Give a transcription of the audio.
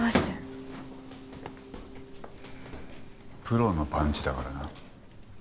プロのパンチだからな。